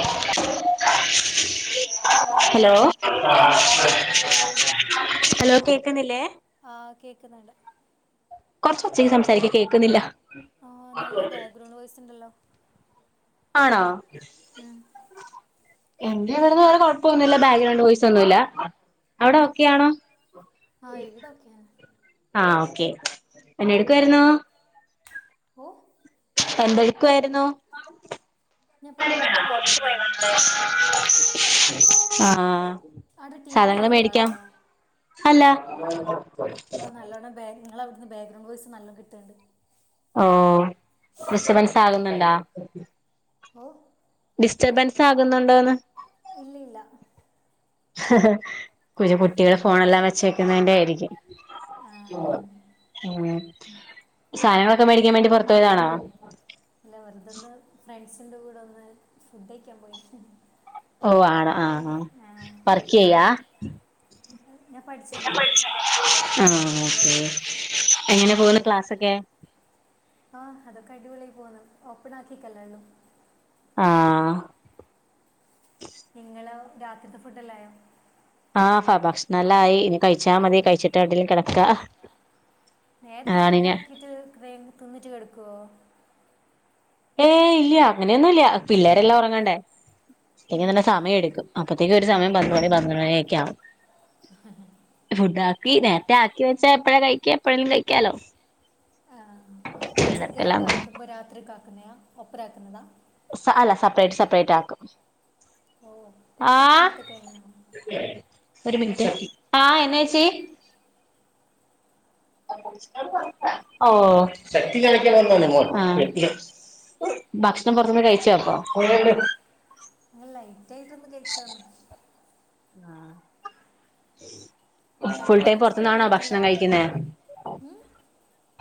Hello hi hello എന്തല്ലാ hi hello കേക്കുന്നില്ലേ ആ കേക്കുന്നുണ്ട് കുറച്ച ഉച്ചക്ക് സംസാരിക്കാൻ കേൾക്കുന്നില്ല ആ നല്ല ബാക്ക്ഗ്രൗണ്ട് വോസ്ണ്ടല്ലോ ആണോ മ് എറെ ഇവിടുന്ന്ടെ കൊഴപ്പൊന്നില്ല ബാക്ക്ഗ്രൗണ്ട് പോയിസ് ഒന്നുല്ല അവിടെ ഒക്കെയ ആണോ ആ എവിടൊക്കെയന്നെ ആ ഓക്കേ എന്നെ എടുക്കയിരുന്നോ ഓ എന്തെടുക്കയിരുന്നു ഞപ്പൊ പുറത്തു പോയി വന്നേ ആ അട ടിവി ഓൺലാണോ അല്ല എന്നാ നല്ലോണം [unintelligible] ബാക്ക്ഗ്രൗണ്ട് വോയ്സ് നല്ലം കിട്ടുന്നുണ്ട് ഓ [unintelligible] ആകുന്നുണ്ടാ ഓ ഡിസ്റ്റർബൻസ് ആകുന്നുണ്ടോന്ന് ഇല്ല ഇല്ല കു കുട്ടികള് ഫോണെല്ലാം വെച്ചെക്കുന്നതിന്റെ ആയിരിക്കും ആ സാധനങ്ങളൊക്കെ മേടിക്കാൻ വേണ്ടി പൊർത്തോയതാണോ അല്ലെ വെറുതന്ന് ഫ്രണ്ട്സിൻ്റെ കൂടെ ഒന്ന് ഫുഡയിക്കാൻ പോയി ഓ ആണ ആ ആ വർക്ക് ചെയ്യാ ഞാൻ പഠിച്ചുകൊണ്ടിരിക്കുന്നു ആ എങ്ങനെ പോകുന്നു ക്ലാസ്സൊക്കെ ആ അതൊക്കെ അടിപൊളിയി പോന്ന ഓപ്പൺ ആക്കിക്കല്ലേള്ളോ ആ നിങ്ങള് രാത്രിത്തെ ഫുഡല്ലായോ ഹ ഫ ഭക്ഷണംമല്ല ആയി ഇനി കഴിച്ചാ മതി കഴിച്ചിട്ട് എവിടെിലും കിടക്കാ നേരത്തെ ഫുഡ് ആണിനെ ആക്കിട്ട് തിന്നിട്ട് കെടുക്കുവോ ഏ ഇല്ല്യ അങ്ങനെയൊന്നുംല്ല പിള്ളേരെല്ലാം ഉറങ്ങണ്ടേ അല്ല ന സമയ എടുക്കും അപ്പത്തേ [unintelligible] സമയം പത്ത് മണി പന്ത്രണ്ട് മ. ണിയൊക്കെ ആവും ഫുഡ് ആക്കി നേർത്തേ ആക്കി വച്ച [unintelligible] എപ്പോഴേലും കഴിക്കാലോ ആ ഉച്ചക്ക് പിള്ളേർക്കെല്ലാം കാക്കുമ്പോ രാത്രി കാ [unintelligible] സ അല്ല സെപ്പറേറ്റ് സെപ്പറേറ്റ് ആക്കും ഓ ഒത്ര ആഹ് നേരത്തെ കഴിഞ്ഞോ ഒരു മിൻറ്റ് ആഹ് ഓക്കെ എന്നേച്ചി ഓ ആഹ് ഭക്ഷണം പുറത്ത്ന്ന് കഴിച്ചപ്പോ [unintelligible] ലൈറ്റായിട്ടൊന്ന് കഴിച്ചോന്ന് ആഹ് നല്ലോണം ഫുൾടൈം കഴിച്ചിട്ട് വരാൻ പൊറത്ത്ന്നാണോ പറ്റില്ല ഭക്ഷണം കഴിക്കുന്നെ? ഉം?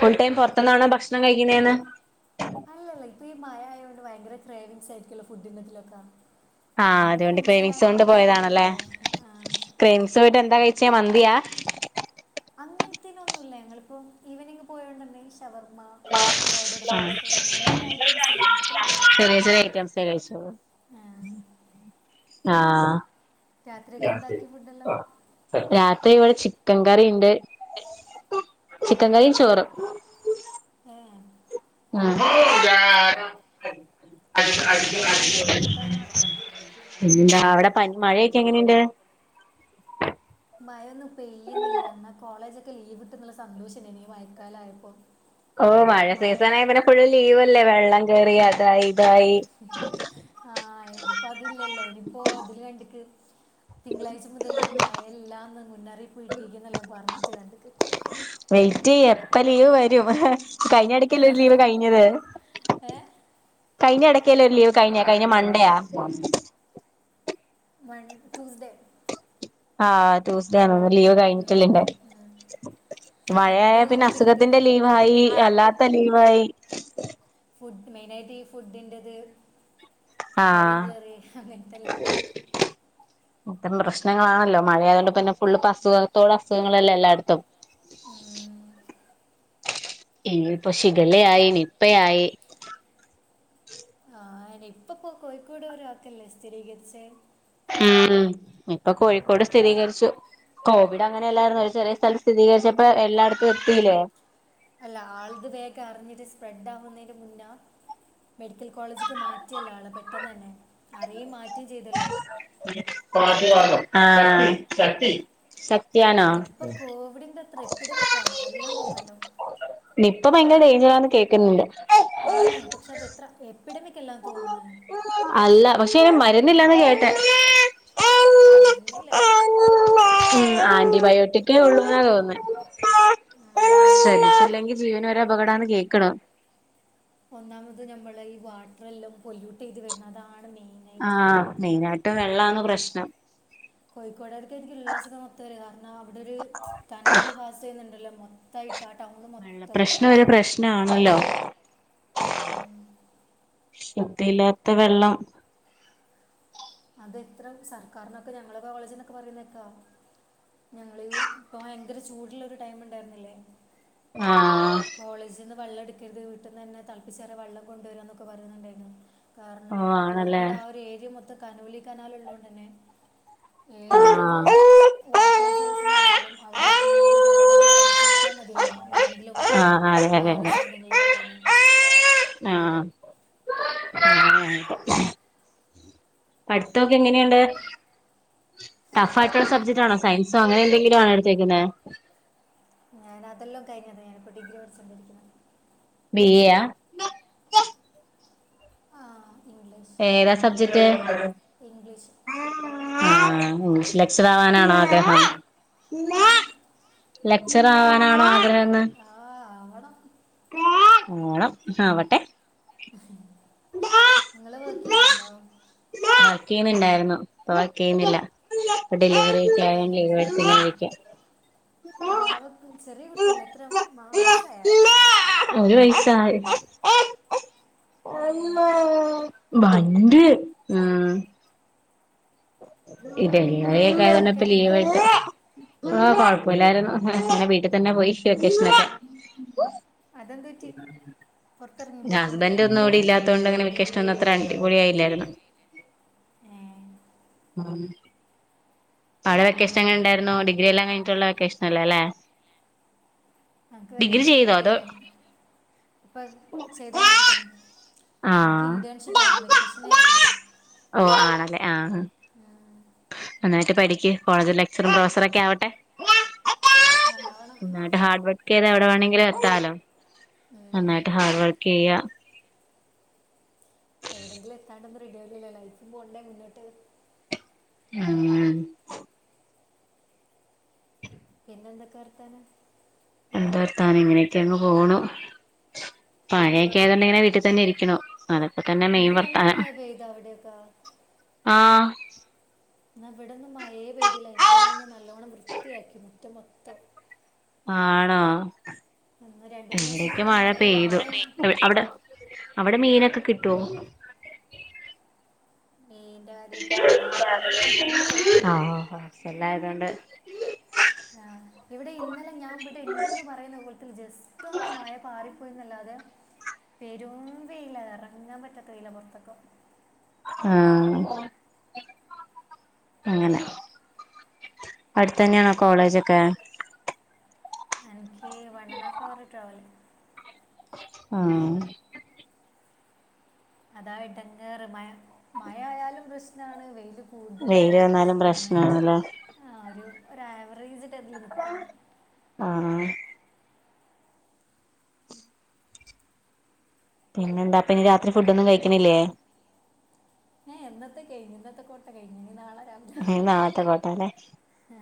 ഫുൾടൈം പൊർത്ത്ന്നാണോ ഭക്ഷണം കഴിക്കുന്നേന്ന്? അല്ലല്ല ഇപ്പീ മയയായോണ്ട് വയങ്കര ക്രേവിങ്സായിക്കുവല്ലോ ഫുഡിനിതിലൊക്കാ. ആഹ് അതോണ്ട് ക്രേവിങ്സോണ്ട് പോയതാണല്ലേ, പോയാ ആ. ക്രെവിങ്സോയിട്ട് എന്തായി. ച്ചെ മന്തിയാ? അങ്ങൻത്തെനോന്നുല്ല ഞങ്ങളിപ്പോ ഈവനിങ് പോയോണ്ടന്നേ. ഷവർമ്മ, ലോഡട് ആഹ് ഫ്രൈസ് അങ്ങനെള്ള ഐറ്റംസ് ല്ലേ അങ്ങൻതെല്ലാം കഴിക്കും ചെറിയ ചെറിയ ഐറ്റംസേ കഴിച്ചോളൂ ആ ആഹ് രാത്രിയൊക്കെ എന്താക്കി ഫുഡെല്ലാം രാത്രിവിടെ ചി ക്കൻകറി ഇണ്ട്. ചിക്കൻ കറിം ചോറും ഉം ആ പിന്നെന്തൊക്കെ വർത്താനം പിന്നന്ത അവട പനി മഴയൊക്കെങ്ങനെണ്ട്? മയൊന്നു പെയ്യുന്നില്ല ന്ന കോളേജ് ലീവ്ട്ടുംന്നുള്ള സന്തോഷണ്ടേനി ഈ മയക്കാലായപ്പോ. ഹോ മഴ സീസണായ പിന്നെ ഫുൾ ലീവല്ലേ വെള്ളം കേറി അതായി ഇതായി. പ്പത് തില്ലല്ലോ ഇനിപ്പോ തിൽ രണ്ട്ക്ക് തിങ്കളാഴ്ച മുതല് മയ ഇല്ലാന്ന് മു മുന്നറിയിപ്പ്‌ കിട്ടീക്ക്ന്നല്ലോ പറഞ്ഞച്ച് കണ്ട്ക്ക്. വെയിറ്റെയ്യ പ്പ ലീവ് വരും. കഴിഞ്ഞടയ്ക്കല്ലേ ഒരു ലീവ് കഴിഞ്ഞത് ഏ കഴിഞ്ഞടെ [unintelligible] ലീവ് കഴിഞ്ഞെ കഴിഞ്ഞ മണ്ടെയാ. മൺ ട്യൂസ്‌ഡേ ആഹ് ട്യൂസ്‌ഡേ ആണ്ന്ന്. ലീവ് കഴിഞ്ഞിട്ടില്ല ഉം, എന്റെ ഉം. മഴയായ ഇനിയിപ്പോൾ പിന്നെ ലീവ് കിട്ടില്ല അസുഖത്തിന്റെ ലീവായി അല്ലാത്ത ലീവായി. മെയിനായിട്ട് ഈ ഫുഡിന്റത് വള്ളം ആഹ് കേറി അങ്ങനത്തെല്ലാം. ഇത്തരം പ്രശ്നങ്ങളാണല്ലോ മഴയായതുകൊണ്ട് പിന്നെ ഫുൾ പ്പ അസുഖത്തോടെ അസുഖങ്ങളല്ലേ എല്ലായിടത്തും ഉം ഇനിയിപ്പൊ ശിഖലയായി നിപ്പയായി ആ അന്നെ നിപ്പ പ്പോ കോഴിക്കോടൊരാക്കല്ലേ സ്ഥിരീകരിച്ചേ ഉം ഇപ്പൊ കോഴിക്കോട് സ്ഥിരീകരിച്ചു കോവിഡ് അങ്ങനെല്ലായിരുന്നു ഒരു ചെറിയ സ്ഥലം സ്ഥിരീകരിച്ചപ്പോ എല്ലായിടത്തും എത്തില്ലേ അല്ല ആൾത് വേഗം അറിഞ്ഞിട്ട് സ്പ്രെഡ് ആവുന്നതിന് മുന്നേ മെഡിക്കൽ കോളേജിക്ക് മാറ്റിയല്ലോ ആളെ പെട്ടെന്ന് തന്നെ [unintelligible] [unintelligible] ആ [unintelligible] നിപ്പ കോവിഡിന്റെ അത്ര എപ്പിഡമിക് ആണോ അല്ലാ തോന്നല്ലോ [unintelligible] കേൾക്കുന്നുണ്ട് ആണ് പക്ഷെ അത് എ എപിടമിക്കെല്ലാ തോന്ന്ന്ന് മരുന്നില്ലാന്നാ കേട്ടെ മരുന്നില്ല ഉം ആന്റിബയോട്ടിക്കേ ഒള്ളൂന്നാ തോന്നുന്നേ ഉം. ശ്രദ്ധിച്ചില്ലെങ്കി ജീവന് വരെ അപകടാന്ന് കേക്ക്ണ് ഒന്നാമത് നമ്മൾ ഈ വാട്ടറെല്ലാം പൊല്യൂട്ടെയ്ത് വരണതാണ് മൈൻ ആ [unintelligible] [unintelligible] വെള്ളാണ് പ്രശ്നം കോഴിക്കോടുകാർക്ക് ഉള്ള അസുഖം മൊത്തം വരും കാരണം അവിടെ മൊത്തയിട്ടാണ് വെള്ള പ്രശ്നം ഒരു പ്രശ്നാണല്ലോ ഉം. ശുദ്ധിയില്ലാത്ത വെള്ളം അത് എത്ര സർക്കാരിനൊക്കെ ഞങ്ങളെക്കെ കോളേജിന്നൊക്കെ പറയുന്നേക്കാ ഞങ്ങളീ ഇപ്പ ഭയങ്കര ചൂടുള്ള ഒരു ടൈമുണ്ടായിരുന്നില്ലേ ആഹ് കോളേജിന്ന് വെള്ളം എടുക്കരുത് വീട്ടന്ന് തന്നെ തൾപ്പിച്ചാറിയ വെള്ളം കൊണ്ടുവരാന്നൊക്കെ പറയുന്നുണ്ടായിരുന്നു കാരണം ഓ ആണല്ലേ കോഴിക്കോട് ആ ഒരു ഏരിയ മൊത്തം ഇ കനോലി കനാൽ ഉള്ളോണ്ടെന്നെ ഏതൊരു [unintelligible] ആഹ് [unintelligible] ആയാലും അവിടെ കീന്റൊരു എന്തെങ്കിലും ഒരംശം എത്തിയാ മതിയല്ലോ എന്തെങ്കിലും ആഹ് അതെ അതെ വൈറസ് എന്തെങ്കിലും വരാൻ ആ പഠിത്തോക്കെ എങ്ങനെയുണ്ട് ടഫായിട്ടുള്ള അതൊന്നും സബ്ജക്ട് ഇപ്പം ആണോ സയൻസോ അങ്ങനെന്തെങ്കിലും ആണോ ചക്നെ [unintelligible] ഞാന അതെല്ലാം കഴിഞ്ഞത ഞാനിപ്പോ ഡിഗ്രി വഠിച്ചോണ്ടിരിക്കാ ബിയായ ആ ഇംഗ്ലീഷ് ഏതാ സബ്ജക്റ്റ് ഇംഗ്ലീഷ് ആഹ് ഇംഗ്ലീഷ് ലകാച്ചറാവാനാണോ അദ്ദേഹം ഉം. ലക് ച്ചറാവാനാണോ ആഗ്രഹം ആഹ് ആ ആവണം ഓണം ആവട്ടെ നിങ്ങള് വർക്ക് ചെയ്യുന്നുണ്ടോ വക്കെയ്യ് ണ് ണ്ടായിരുന്നു ഇപ്പോ വക്കെയ്യ്ണ്ല്ല. ഇപ്പ ഡെലിവറിയൊക്കെ ഡെലിവറി ആയോൺ ലീ എങ്ങനെ ആ വെട്ത്ത് വാവക്ക് ചെറിയ കുട്ടിയല്ലേ എത്ര മ- വയസ്സായ ങ്ങനെയിരിക്കാ ആഹ് ഒരു വയസ്സ് ത്തായി ഏ, [inaudible] വണ്ട് ആഹ് ഇതെ [unintelligible] വെക്കേഷനൊക്കെ ഇപ്പ എങ്ങനെ ലീവ് ഉണ്ടായിരുന്നു ആയിട്ട് ആഹ് കൊഴപ്പൊല്ലായിരുന്നു ഞാ വീട്ടിൽ തന്നെ പോയി വെക്കേഷനൊക്കെ അതെന്ത് പറ്റി പുറത്തിറങ്ങി പോയിക്കൊന്നില്ല ഹസ്ബന്റ് ഇവിടെ ഒന്നുംവിടി ല്ലാത്തോണ്ടങ്ങനെ വെക്കേഷ ട്ട്ണത്ര അടി പോളിയായില്ലായിരുന്നു. ഏ ആടെ വെക്കേഷൻ അങ്ങനെണ്ടായിരുന്നു ഡിഗ്രിയെല്ലാം കഴിഞ്ഞിട്ടുള്ള വെക്കേഷനല്ലേ ല്ലെ നമക്ക് വെക്കേഷൻ കിട്ടിക്കില്ലേ ഇപ്പൊ ചെയ്തൊണ്ടിരിക്കുന്നു. എനിക്ക് ആഹ് ഇന്റേൺഷിപ്പായിരുന്നു വെക്കേഷനല്ലേനി ഓ ആണല്ലേ ആഹ് ആഹ് നന്നായിട്ട് പഠിക്ക് കോളേജ് ലെക്ചറും പ്രൊഫസറൊക്കെ ആവട്ടെ ആവണം ഏതവടെ വേണങ്കിലും എത്താലോ ഉം. നന്നായിട്ട് ഹാർഡ് വർക്കെയ്യ എവിടെയങ്കിലും എത്താണ്ടൊന്നും റെഡിയാവില്ലല്ലോ ലൈഫും പോണ്ടേ മുന്നോട്ട് ഉം പിന്നെന്തൊക്കെ വർത്താനം? എന്താ വർത്താനം ഇങ്ങനെയൊക്കെങ്ങ് പോണു പാഴയൊക്കയതോണ്ട് ഇങ്ങനെ വീട്ടി തന്നെ ഇരിക്ക്ണു. അതപ്പോ തന്നെ മെയിൻ ഇന്ന് നല്ല വർത്താനം മഴ പെയ്തു അവിടെയൊക്കെ ആഹ് എന്നാ ഇവിടന്നും മഴേ പെയ്തില്ല അതിനോട് ഞാന്ന് നല്ലവണം വൃത്തിയാക്കി മുറ്റം മൊത്തം ആണോ എന്ന രണ്ട മൂന്ന് ദിവസമായിട്ട് ഇവിടേക്ക് ഇവിടെ മഴ മഴയില്ല മഴ പെയ്തു അവിടെ അവിടെ മീനൊക്കെ കിട്ടുവോ മീൻ്റെ [inaudible] ആഹ് കാര്യം എനിക്ക് അറിയില്ല [unintelligible] എല്ലായത കൊണ്ട് ആ ഇവിടെ ഇന്നലെ ഞാൻ ഇവിടിണ്ടീന്ന് പറയുന്ന വിധത്തില് ജസ്റ്റ് ഒന്നു മഴ പാറി പോയന്നല്ലാതെ പെരും വെയിലാ ഇറങ്ങാൻ പറ്റാത്ത വെയില പൊറത്തൊക്കെ. ആ അങ്ങനെ അടുത്തന്നെയാണോ കോളേജൊക്കെ? [unintelligible] ഏയ്‌ one and half hour travel ആ അതാ എടങ്ങേറ് മഴ. മഴ ആയാലും പ്രശ്നാണ് വെയില് വെയില് കൂടുതലായാലും വന്നാലും പ്രശ്നാണ് പ്രശ്നാണല്ലോ ആ ഒരു ഒരാവറേജില് ആ പിന്നെ എന്താപ്പ ഇനി രാത്രി ഫുഡൊന്നും കഴിക്ക്ണില്ലേ ഹേ ഇന്നത്തെ കഴിഞ് ഇന്നത്തെ കൊട്ട കഴിഞ് ഇനി നാളെ രാവിലെ ഇനി നാളത്തെ കോട്ട ലെ ആ,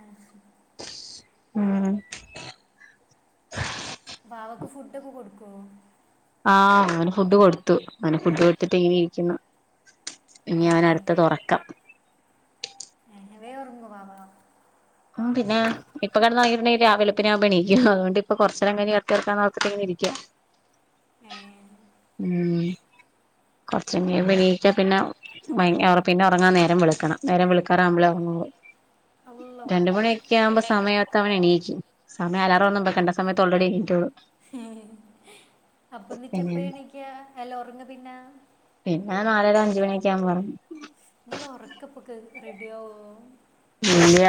ഉം വാവക്ക് ഫുഡൊക്കെ കൊട്ക്കോ ആ അവന് ഫുഡ് കൊടുത്തു അവന് ഫുഡ് കൊടുത്തിട്ട് ഇങ്ങെനെ ഇരിക്കുന്നു ഇനി ഏ അവന് അട്ത്തത് ഒറക്കം വേം ഒറങ്ങോ വാവ ഉം പിന്നെ ഇപ്പ കെട്ന്ന് ഒറങ്ങിട്ടുണ്ടെങ്കില് രാവിലെ വെളുപ്പിനാവുമ്പോ എണീക്കും അതുകൊണ്ട്പ്പ കൊർച്ചെരം കഴിഞ് [unintelligible] ഇരിക്കാ ഏ ഉം കൊറച്ചയ്ഞാ എനീറ്റാ പിന്നെ പിന്നെ ഒറങ്ങാൻ നേരം വെളുക്കണം നേരം വെളുക്കാറാവുമ്പളെ ഒറങ്ങോള്ളൂ അല്ലോ രണ്ട് മണിയൊക്കെ ആവുമ്പോ സമയത്ത് അവൻ എണീക്കും സമയം അലാറോന്നും വെക്കണ്ട സമയത്ത് ഓൾറെഡി എണീറ്റോളും അപ്പന്നിട്ട് പിന്നെ എപ്പയാ എണീക്കാ അല്ല ഒറങ്ങ പിന്നെ പിന്നെ നാലര അൻജ് മണിയൊക്കെ ആവ്മ്പോ ഒറങ്ങും ങ്ങളെ ഒറക്കപ്പൊക്കെ റെഡിഓ ഇല്ല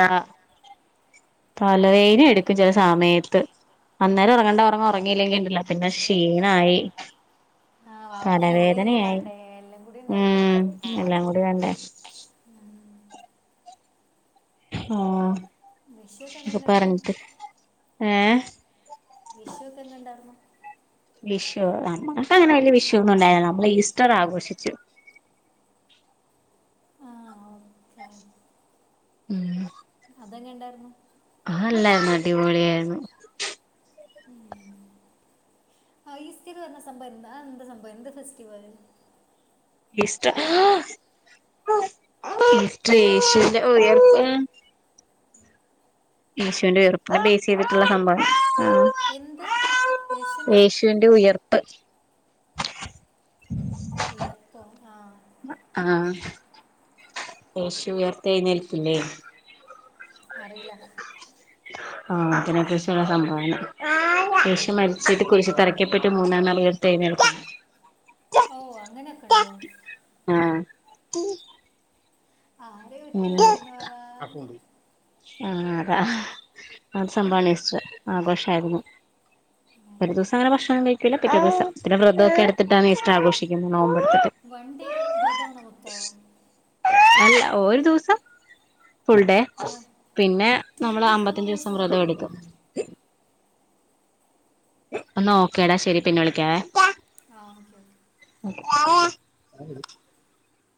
പലയ്നും എട്ക്ക് ചെല സമയത്ത് അന്നേരം ഒറങ്ങണ്ട ഒറങ്ങില്ലെങ്കിണ്ടല്ലോ പിന്നെ ക്ഷീണായി ആ വാവക്ക് ഫീഡ് ചെയ്യാൻ തലവേദനയായി വേണ്ടേ എല്ലാം കൂടി ഉണ്ടാവില്ലേ ഉം എല്ലാം കൂടി വെണ്ടേ ഉം. ഹാ വിഷുവൊക്കെ എങ്ങനെ അ ഉണ്ടായിരുന്നു പറഞ്ഞിട്ട് ഏ വിഷുക്കെ എങ്ങ ഇണ്ടാരുന്ന് വിഷു നമുക്കങ്ങനെ വല്ല്യ വിഷുന്നും ഉണ്ടായില്ല നമ്മള് ഈസ്റ്റർ ആഘോഷിച്ചു ആ ഓക്കെ ഉം അതെങ്ങെ ഇണ്ടായിരുന്നു അല്ല അടീപൊളിയാരുന്നു ആ ഈസ്റ്റർ വര്ണ സംഭവം എന്താ അതെന്താ സംഭവം എന്താ ഫെസ്റ്റിവൽ ഈസ്റ്റർ [inaudible] യേശുന്റെ ഓ ഈ യേശുന്റെ [unintelligible] ചെയ്തിട്ടുള്ള സംഭവാണ് ആ എന്ത് യേശുവിൻ്റെ യേശുവിന്റെ ഉയർപ്പ് വിയർപ്പോആ ആഹ് യേശു ഉയർത്തെഴുന്നേൽക്കില്ലേ അറിയില്ല ആഹ അതിനത്യാവശ്യുള്ള സംഭവമാണ് ആ. യേശു മരിച്ചിട്ട് കുരിശു തറയ് പെട്ട് മൂന്നാം നാൾ ഉയർത്തെഴുന്നേൽക്കും ഓ അങ്ങനൊക്കെ ഉണ്ടോ ആ ആരെ പറ്റി പറയുന്ന വാവാ ആ ആതാ ആ സംഭവാണ് ഈസ്റ്റർ ആഘോഷം ആയിരുന്നു ഒരു ദിവസം അങ്ങനെ ഭക്ഷണം കഴിക്കൂല പിറ്റേ ദിവസം പിന്നെ വ്രതമൊക്കെ എടുത്തിട്ടാണ് ഈസ്റ്റർ ആഘോഷിക്കുന്നത് നോമ്പെടുത്തിട്ട് വൺ ഡേ വ്രതാണെടുക്കാ അല്ല ഒരു ദിവസം ഫുൾ ഡേ പിന്നെ നമ്മള് ട്വൻറ്റി ഫോർ അമ്പത്തഞ്ചു ദിവസം ഹവേഴ്സോ വ്രതം എടുക്കും എന്നാ ഓക്കേടാ ശെരി പിന്നെ വിളിക്കാവേ ആഓക്കെ ഓക്കേ ആ